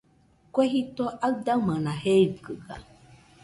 Kue jito aɨdaɨmana jeikɨga